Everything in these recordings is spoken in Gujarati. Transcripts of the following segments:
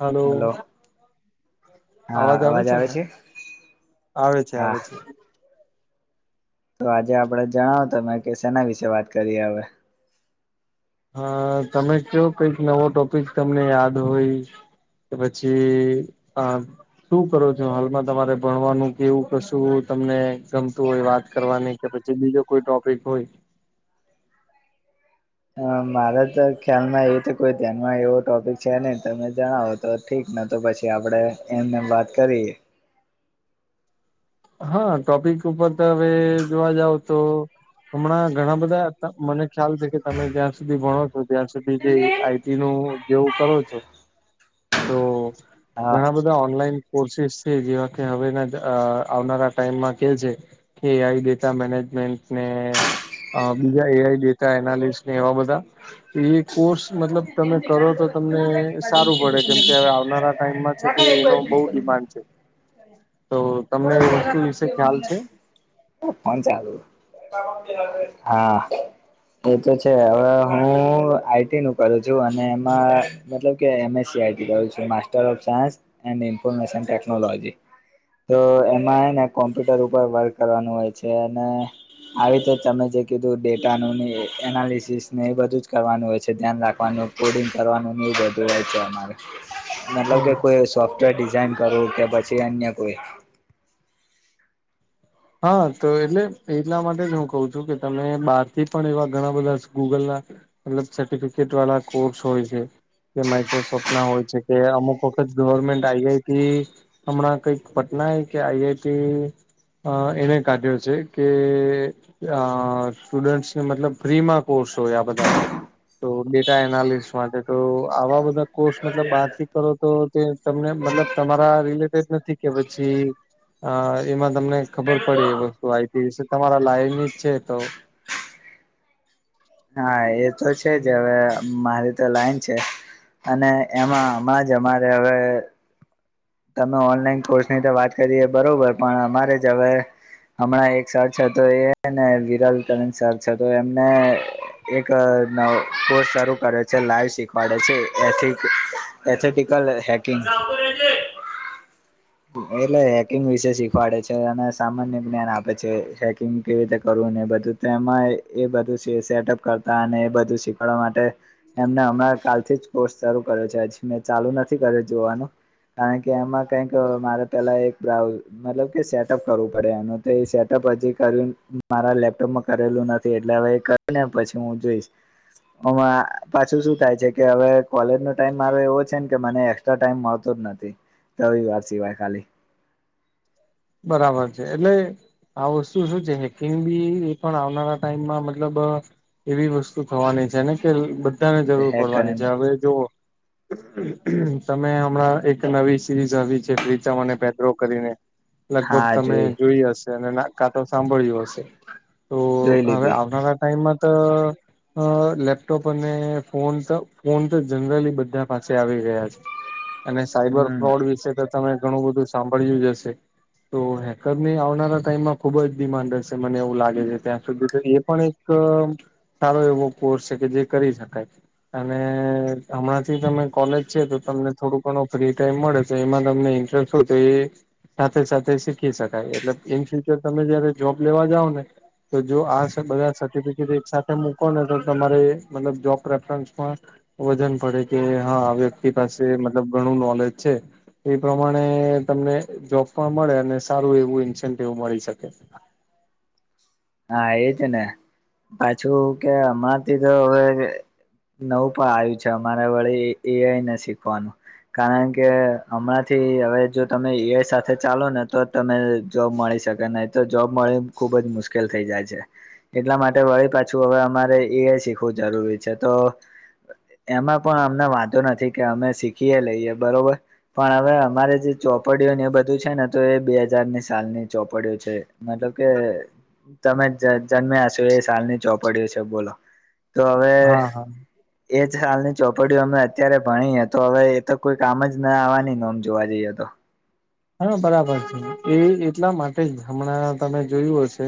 હાલો હલો અવાજ આવે છે ને આવે છે હા આવે છે તો આજે આપડે જણાવો તમે કે સેના વિશે વાત કરીએ આવે હા તમે કો કઈક નવો ટોપિક તમને યાદ હોય તો પછી આ શું કરો છો હાલમાં તમારે ભણવાનું કેવું કશું તમને ગમતું હોય વાત કરવાની કદાચ જે બીજો કોઈ ટોપિક હોય હા મારે તો ખ્યાલમાં એ તો કોઈ ધ્યાનમાં એવો ટોપિક છે નઈ તમે જણાવો. તો ઠીક ને તો પછી આપણેે એમને વાત કરીએ. હા ટોપિક ઉપર તો હવે જોવા જાવ તો હમણાં ઘણા બધા મને ખ્યાલ છે કે તમે જ્યાં સુધી ભણો છો ત્યાં સુધી જે આઈ એનુ જેવું કરો છો તો હા ઘણા બધા ઓનલાઈન કોર્સસ છે જેવા કે હ આવનારા ટાઈમમાં કે છે કે એ આઈ ડેટા મેનેજમેન્ટને બીજા એ આઈ ડેટા એનાલિસ્ટ ને એવા બધા એ કોર્સ મતલબ તમે કરો તો તમને સારું પડે કેમ કે હવે આવનારા ટાઈમમાં એનો બહ ડિમાન્ડ છે તો તમને એ વસ્તુ વિશે ખ્યાલ છે ઓ અંચાલ. હા, એતો છે હવે હું આઈ ટી નું કરું છું અને એમાં મતલબ કે M S C I T કરું છું, master of science. M information technology. તો એમાં ને કોમ્પ્યુટર ઉપર વર્ક કરવાનું હોય છે અને આવી રીતે તમે જે કીધું ડેટાનું ને એ એનાલિસિસ ને એ બધું જ કરવાનું હોય. છે. ધ્યાન રાખવાનું, કોડિંગ કરવાનું ન બધું હોય છે અમારે મતલબ હમ કે કોઈ સોફ્ટ વેર ડિઝાઇન કરવું કે પછી અન્ય કોઈ. હા તો એટલે એટલા માટે જ હું કઉ છું કે તમે બહાર થી પણ એવા ઘણા બધાસ ગૂગલના મતલબ સર્ટિફિકેટ વાળલા કોર્સ હોય છે. એ માઈક્રોસોફ્ટ ના હોય છે કે અમુક વખત ગવર્મેન્ટ આઈ આઈ ટી હમણાં કઈક પટના એ કે આઈ આઈ ટી અ એને કાઢ્યો છે કે અ સ્ટુડન્ટસને મતલબ ફ્રીમાં કોર્સ હોય આ બધા. તો ડેટા એનાલિસ માટે તો આવા બધા કોર્સ મતલબ બહારથી કરો તો તમને મતલબ તમારા રિલેટેડ નથી કે પછી અ એમાં તમને ખબર પડે એ વસ્તુ આઈ ટી વિશે તમારા લાઈન ની જ છે તો હા એ તો છે જ હવે મારી તો લાઈન છે. અને એમાં આમાં જ અમારે હવે તમે ઓનલાઈન કોર્સ ની તો વાત કરીએ બરોબર પણ અમારે જ હવે હમણાં એક સર છે તે અને વિરલ સર છે તો એમને એક નવ કોર્સ શરૂ કરે છે, લાઈવ શીખવાડે છે એથી એથેટિકલ હેકિંગ. એટલે હેકિંગ વિશે શીખવાડે છે અને સામાન્ય જ્ઞાન આપે છે હેકિંગ કેવી રીતે કરવું ને બધું. તેમાં એ બધું સેટઅપ કરતા અને એ બધું શીખડવા માટે એમને હમણાં કાલથી જ કોર્સ શરૂ કર્યો છે હજુ મેં ચાલુ નથી કર્યો જોવાનું. કારણ કે એમાં કઈક મારે પેલા એક બ્રાઉઝ મતલબ કે સેટઅપ કરવું પડે એમ એટલે એ સેટઅપ હજી કરીયુ મારા લેપટોપમાં કરેલું નથી એટલે હવે ક અને પછી હું જોઈશ આમાં પાછું શું થાય છે કે હવે કોલેજ નો ટાઈમ મારો એવો છે કે મને એક્સ્ટ્રા ટાઈમ મળતો જ નથી રવિવાર સિવાય ખાલી બરાબર છે એટલે આ વસ્તુ શું છે હેકિંગ બી એ પણ આવનારા ટાઈમમાં મતલબ એવી વસ્તુ થવાની છે ને કે બધાને જરૂર હેક પડવાની છે કરીને હવે જો તમે હમણાં એક નવી સિરીઝ આવી છે પ્રીતમ અને પેદ્રો કરીને લગભગ તમે જોઈ હશે અને કા તો સાંભળ્યું હશે તો જોઈ હવે લીધી આવનારા ટાઈમમાં તો અ લેપટોપ અને ફોન તો ફોન તો જનરલી બધા પાસે આવી ગયા છે. અને સાઈબર હમ ફ્રોડ વિશે તો તમે ઘણું બધું સાંભળ્યું જ હશે. તો હેકરને આવનારા ટાઈમમાં ખુબ જ ડિમાન્ડ હશે મને એવું લાગે છે ત્યાં સુધી તો એ પણ એક તો સારો એવો કોર્સ છે કે જે કરી શકાય. અને હમણાં થી તમે કોલેજ છે તો તમને થોડું ઘણું ફ્રી ટાઈમ મળે તો એમાં તમને ઇન્ટરસ્ટ શું તો એ સાથે સાથે શીખી શકાય એટલે ઈન ફ્યુચર તમે જયારે જોબ લેવા જાવ ને. તો જો આ સ બધા સર્ટિફિકેટ એક સાથે મૂકો ને તો તમારે મતલબ જોબ રેફરન્સ પણ વજન પડે કે હા વ્યક્તિ પાસે મતલબ ઘણું નોલેજ છે એ પ્રમાણે તમને જોબ પણ મળે અને સારું એવું ઇન્સેન્ટવ મળી શકે. હા એજ ને. પાછું કે અમાંથી તો હવે નવું પણ આવ્યું છે અમારા વળી એ આઈ ને શીખવાનું. કારણ કે હમણાં થી હવે જો તમે એ આઈ સાથે ચાલો ને તોજ તને જોબ મળી શકે નહી, તો જોબ મળવી ખુબ જ મુશ્કેલ થઈ જાય છે એટલા માટે વળી પાછું હવે અમારે એ શીખવું જરૂરી છે તો એમાં પણ અમને વાંધો નથી કે, અમે શીખીએ લઈએ બરોબર. પણ હવે અમારે જે ચોપડીઓ ને એ બધું છે ને તો એ બે હાજારની સાલની ચોપડીઓ છે. મતલબ કે તમે જન્મ્યા હશો એ સાલની ચોપડીઓ છે બોલો. તો હવે હા હા એ જ હાલની ચોપડીઓ અમે અત્યારે ભણી એ તો હવે એ તો કોઈ કામ જ ના આવવાની ઓમ જોવા જઈએ તો. હા બરાબર છે. એ એટલા માટે જ હમણાં તમે જોયું હશે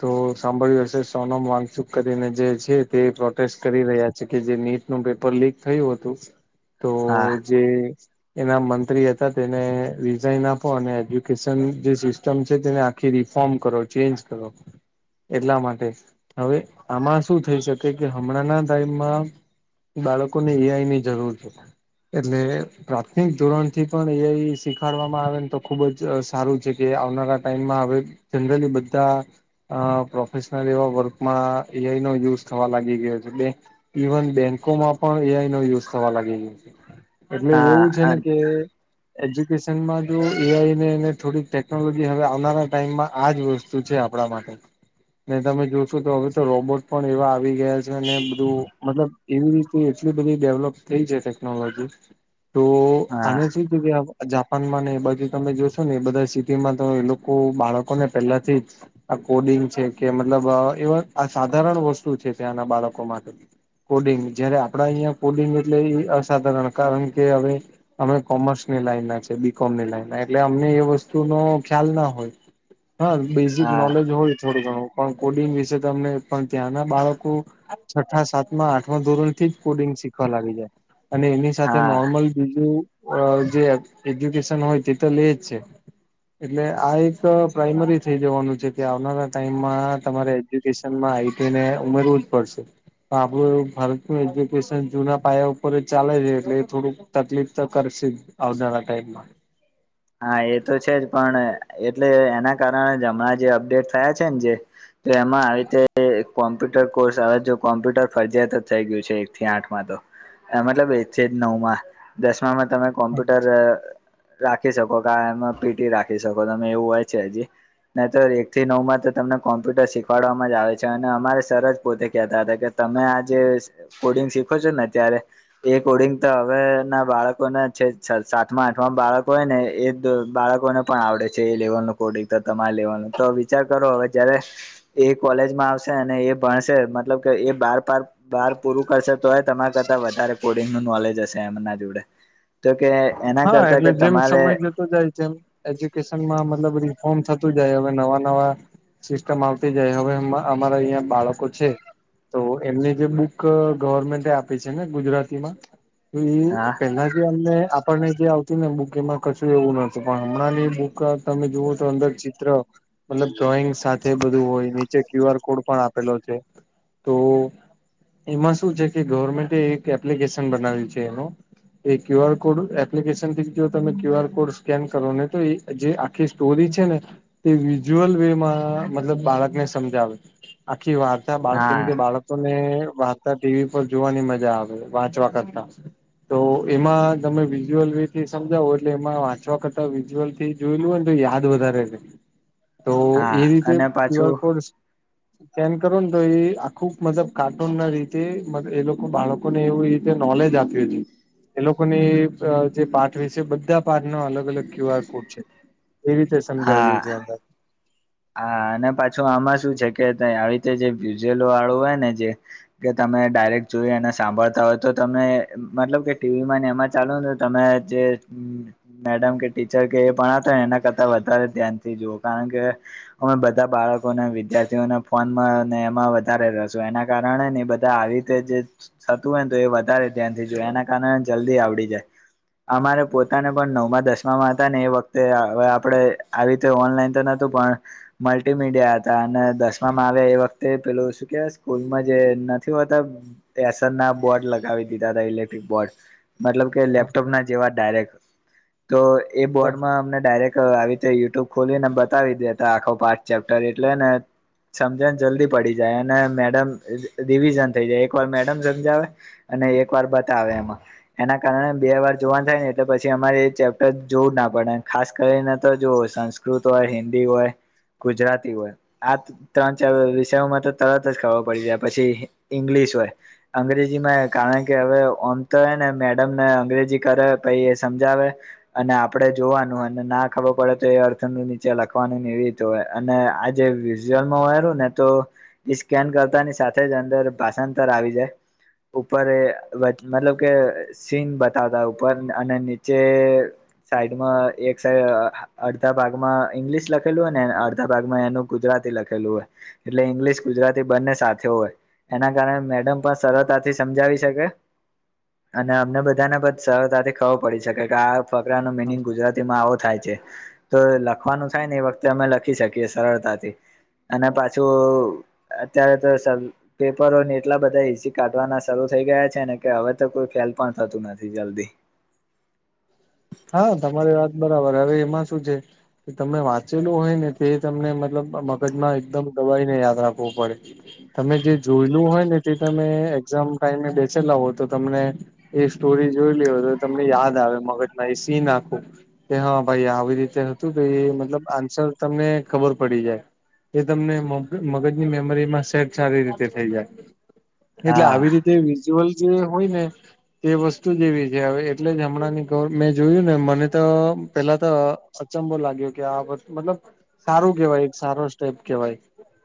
તો સાંભળ્યું હશે સોનમ વાનચુક કરીને જે છે તે પ્રોટેસ્ટ કરી રહ્યા છે કે જે નીટ ટનું પેપર લીક થયું હતું તો હા. જે એના મંત્રી હતા તેને એ જઈન આપો અને એજ્યુકેશન જે સિસ્ટમ છે તેને આખી રિફોર્મ કરો. ચેન્જ કરો એટલા માટે. હવે આમાં શું થઈ શકે કે હમણાંના ટાઈમમાં બાળકોને એઆઈની જરૂર છે. એટલે પ્રાથમિક ધોરણથી પણ એઆઈ શીખ વાડવામાં આવેને તો ખુબ જ સારું છે, કે આવનારા ટાઈમમાં હવે જનરલી બધા અ પ્રોફેશનલ એવા વર્કમાં એઆઈનો યુઝ થવા લાગી ગયો છે બે ઈવન બેંકોમાં પણ એઆઈ નો યુઝ થવા લાગી ગયો છે. એટલે હા એવું છે ને કે એજયુ કેસનમાં જો એઆઈને થોડીક ટેકનોલોજી હવે આવનારા ટાઈમમાં આ જ વસ્તુ છે આપણા માટે ને તમે જોશો તો હવે તો રોબોટ પણ એવા આવી ગયા છે ને બધું મતલબ એવી રીતે એટલી બધી ડેવલોપ થઈ છે ટેકનોલોજી તો હા આને શું [unintelligible] કેધ જાપાનમાં ને એ બાજુ તમે જોશો ને એ બધા સિટીમાં તો એ લોકો બાળકોને પહેલાથી જ આ કોડિંગ છે કે મતલબ એવા આ સાધારણ વસ્તુ છે ત્યાંના બાળકો માટે. કોડિંગ, જયારે આપડા અહીિયાં કોડિંગ એટલે એ અસાધારણ કારણ કે હવે અમે કોમર્સની લાઈનના છે. બીકોમની લાઈનના. એટલે અમને એ વસ્તુનો ખ્યાલ ના હોય. હા! બેઝિક હા નોલેજ હોય થોડું ઘણું. પણ કોડિંગ વિશે તમને પણ ત્યાંના બાળકો છઠ્ઠા, સાતમા, આઠમા ધોરણથી જ કોડિંગ શીખવા લાગી જાય. અને એની સાથે હા નોર્મલ બીજું અ જે એજ્યુકેશન હોય તે તો લે જ છે. એટલે આ એક પ્રાઈમરી થઈ જવાનું છે કે આવનારા ટાઈમમાં તમારે એજ્યુકેશનમાં આઈટીને ઉમેરવું જ પડશે. આપણું ભારતનું એજ્યુકેશન જૂના પાયા ઉપર જ ચાલે છે એટલે એ થોડુંક તકલીફ તો કરશે જ આવનારા ટાઈમમાં. હા, એ તો છે જ પણ એટલે એના કારણે હમણાં જે અપડેટ થયા છે ને જે તો એમાં આવી રીતે કોમ્પ્યુટર કોર્સ આવે જો કોમ્પ્યુટર ફરજિયાત થઈ ગયું છે એકથી આઠમાં તો. એ મતલબ એ છે જ નવમાં દસમામાં તમે કોમ્પ્યુટર રાખી શકો કે એમાં પીટી રાખી શકો તમે એવું હોય છે હજી. ન તો એકથી નવમાં તો તમને કોમ્પ્યુટર શીખવાડવામાં જ આવે છે અને અમારે સર જ પોતે કહેતા હતા કે, તમે આ જે કોડિંગ શીખો છો ને ત્યારે એ કોડિંગ તો હવે ના બાળકોને છે જ સાતમા આઠમા બાળકો હોય ને એ બાળકોને પણ આવડે છે એ લેવલનું કોડિંગ તો તમાર લેવાલનું તો વિચાર કરો હવે જયારે એ કોલેજમાં આવશે અને એ ભણશે મતલબ કે એ બાર પાર બાર પૂરું કરશે તો તમારા કરતાં વધારે કોડિંગનું નોલેજ હશે. એમના જોડે તો કે એના હા કરતા એટલે કે જેમ તમારે સમય જતો જાય જેમ એજ્યુકેશનમાં મતલબ રિફોર્મ થતું જાય, હવે નવા નવા સિસ્ટમ આવતી જાય. હવે અમારા અહં બાળકો છે તો એમને જે બુક ગવર્મેન્ટે આપી છે ને ગુજરાતીમાં? તો હા એ પેહલા જે અમને આ આપણને જે આવતી ને બુક એમાં કશું એવું નતું પણ હમણાં બુક તમે જુઓ તો અંદર ચિત્ર મતલબ ડ્રોઈંગ સાથે બધું હોય નીચે ક્યુ આર કોડ પણ આપેલો છે. તો એમાં શું છે કે ગવર્મેન્ટ એક એપ્લિકેશન બનાવ્યું છે એનું એ ક્યુઆર કોડ એપ્લિકેશન થી જો તમે ક્યુઆર કોડ સ્કેન કરો ને તો એ જે આખી સ્ટોરી છે ને તે વિઝ્યુઅલ વે માં મતલબ બાળકને સમજાવે આખી વાત બાળક હા કેમકે બાળક ને વાંતા ટીવી પર જોવાની મજા આવે વાંચવા કરતા તો એમાં તમે વિઝ્યુઅલ રિત થી સમજાવો એટલે એમાં વાંચવા કરતાં વિઝ્યુઅલ થી જોયેલ હો ને તો યાદ વધારે છે. [inaudible] તો હા એ રીતે અને ક્યુઆર પાછું કોડ [unintelligible] કરો ને તો એ આખું મતલબ કાર્ટૂન ના રીતે એ લોકો બાળકો લોકોને એવી રીતે નોલેજ આપયું છે. એ જે પાઠ વિશે બધા પાઠના અલગ અલગ ક્યુઆર કોડ છે એવી રીતે હા સમજાવ્યું છે અંદર હા અને પાછું આમાં શું છે કે આવી રીતે જે વિઝ્યુઅલ વાળું હોય ને જે કે તમે ડાયરેક્ટ જોઈ એને સાંભળતા હોય તો તમે મતલબ કે ટીવી માં એમાં જ ચાલો તો તમે જે મેડમ કે ટીચર કે એ પણ હતા એના કરતા વધારે ધ્યાનથી જુવઓ કારણ કે અમે બધા બાળકોને વિદ્યાર્થીઓને ફોનમાં એમાં વધારે રસ એના કારણે એ બધા આવી જે થતું હોય તો એ વધારે ધ્યાનથી જોય એના કારણે જલ્દી આવડી જાય. અમારે પોતાને પણ નવમાં દસમામાં હતા ને એ વખતે હવે આપણે આવી રીતે ઓનલાઈન તો નહોતું પણ મલ્ટી મીડિયા હતા અને દસમામાં આવે એ વખતે પેલું શું કેવા સ્કૂલમાં જે નથી હોતા એસન ના બોર્ડ લગાવી દીધા હતા ઇલેક્ટ્રિક બોર્ડ મતલબ કે લેપટોપ ના જેવા ડાયરેક્ટ. તો એ બોર્ડમાં અમને ડાયરેક્ટ આવી રીતે યુટ્યુબ ખોલીને બતાવી દે આખો પાચ ચેપ્ટર એટલે ને સમજ જલ્દી પડી જાય અને મેડમ રિવિઝન થઈ જાય એક વાર મેડમ સમજાવે અને એક વાર બતાવે એમાં. એના કારણે બે વાર જોવાનું થાય ને એટલે પછી અમારે એ ચેપ્ટર જોવું જ ના પડે ખાસ કરીને તો જોવુ સં સંકૃત હોય હિન્દી હોય ગુજરાતી હોય આ ત્રણ ચાર વિષયોમાં તો તરત પડી જાય પછી ઈંગ્લિશ હોય. અંગ્રેજીમાં કારણ કે હવે તો ને મેડમ ને અંગ્રેજી કરે પછી એ સમજાવે અને આપડે જોવાનું અને ના ખબર પડે તો એ અર્થનું નીચે લખવાનું એવી ર તો અને આ જેે વિઝ્યુઅલમાં હોયરું ને તો એ સ્કેન કરતા ની સાથે જ અંદર ભાષાંતર આવી જાય. ઉપર મતલબ કે સીન બતાવતા ઉપર અને નીચે સાઈડમાં એક સાઈડ અડધા ભાગમાં ઈંગ્લિશ લખેલું હોય અડધા ભાગમાં એનું ગુજરાતી લખેલું હોય એટલે ઇંગ્લિશ ગુજરાતી બંને સાથે હોય. એના કારણે મેડમ પણ સરળતાથી સમજાવી શકે. અને અમને બધાને બધ સરતાથી ખબર પડી શકે કે આ ફકરા નો મિનિંગ ગુજરાતીમાં આવો થાય છે, તો લખવાનું થાય ને એ વખતે અમે લખી શકીએ સરળતાથી અને પાછું અત્યારે તો પેપરો એટલા બધા હિસી કાઢવાના શરૂ થઈ ગયા છે ને કે હવે તો કોઈ ફેલ પણ થતું નથી જલ્દી. હા તમારી વાત બરાબર હવે એમાં શું છે. તમે વાંચેલું હોય ને તે તમને મતલબ મગજમાં એકદમ દબાઈને યાદ રાખવો પડે. તમે જે જોયેલું હોય ને તે તમે એક્ઝામ ટાઈમે બેસેલા હો તો તમને એ સ્ટોરી જોઈલી હોય તો તમને યાદ આવે મગજમાં એ સીન આખું. કે હા ભાઈ આવી રીતે હતું તો એ મતલબ આન્સર તમને ખબર પડી જાય. એ તમને મ મગજની મેમરીમાં સેટ સારી રીતે થઈ જાય. એટલે હા આવી રીતે વિઝ્યુઅલ જે હોય ને, તે વસ્તુ જેવી છે હ એટલે જ હમણાંની [unintelligible] મેં જોયું ને મને તો પેલા તો અચંબો લાગ્યો કે આ વ મતલબ સારું કેવાય એક સારો સ્ટેપ કેવાય.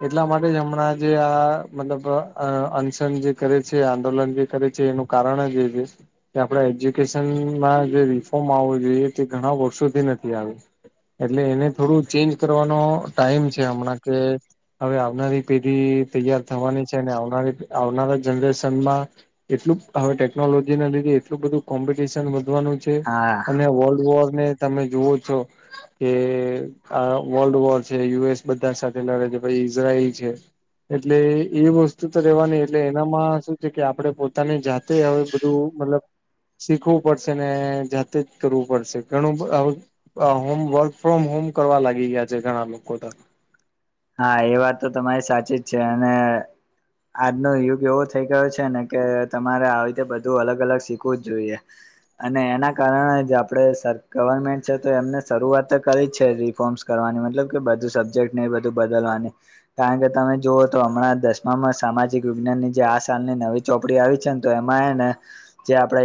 એટલા માટે જ હમણાં જે આ મતલબ અનશન જે કરે છે આંદોલન જે કરે છે એનું કારણ અજ એ છે કે આપણે એજુકેશનમાં જે રિફોર્મ માંગવો જોઈએ તે ઘણા વર્ષોથી નથી આવયો. એટલે એને થોડું ચેન્જ કરવાનો ટાઈમ છે હમણાં કે હવે આવનારી પેઢી તૈયાર થવાની છે ને આવનારી આવનારા જનરેશનમાં એટલું હવે ટેકનોલોજી ના લીધે એટલું બધું કોમ્પિટિશન વધવાનું છે હા અને વર્લ્ડ વોર ને તમે જુઓ છો કે આ વર્લ્ડ વોર છે યુ એસ બધા સાથે લડે છે ભ ઈઝરાયલ છે. એટલે એ વસ્તુ તો રેવાની એટલે એનામાં શું છે કે આપડણે પોતાની જાત હવે બધું મતલબ શીખવું પડશે ને જાતે જ કરવું પડશે ઘણું આવું હોમ વર્ક ફ્રોમ હોમ કરવા લાગી ગયા છે ઘણા લોકો તો. હા એ વાત તો તમારી સાચી જ છે અને આજનો યુગ એવો થઈ ગયો છે ને કે તમારે આવી રીતે બધું અલગ અલગ શીખવું જ જોઈએ. અને એના કારણે જે આપડણે સર ગવર્મેન્ટ છે તો એમને શરૂઆત તો કરી જ છે રિફોર્મ્સ કરવાની મતલબ કે બધું સબ્જેક્ટ ને એ બધું બદલવાની. કારણ કે તમે જુઓ તો હમણાં દસમામાં સામાજિક વિજ્ઞાનની જે આ સાલની નવી ચોપડી આવી છે ને તો એમાં એ ને જે આપડે